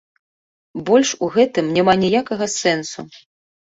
Больш у гэтым няма ніякага сэнсу.